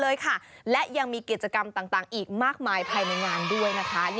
เลยค่ะและยังมีเกียรติกรรมต่างอีกมากมายพัยในงานด้วย